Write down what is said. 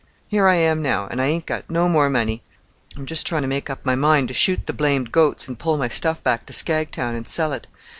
Here I am now, and I ain't got no more money. I'm just trying to make up my mind to shoot the blamed goats and pull my stuff back to Skagtown and sell it.